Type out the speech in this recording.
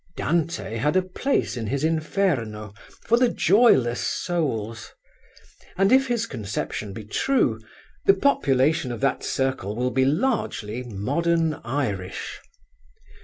Dante had a place in his Inferno for the joyless souls, and if his conception be true the population of that circle will be largely modern Irish.